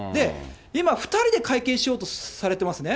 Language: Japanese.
今、２人で会見しようとされてますね。